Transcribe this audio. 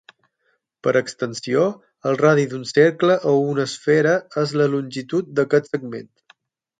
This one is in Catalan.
Per extensió, el radi d'un cercle o una esfera és la longitud d'aquest segment.